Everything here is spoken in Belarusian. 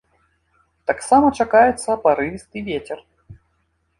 Таксама чакаецца парывісты вецер.